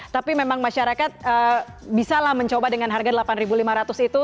tapi memang masyarakat bisalah mencoba dengan harga rp delapan lima ratus itu